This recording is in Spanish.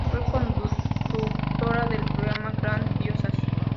Fue coconductora del programa "GranDiosas".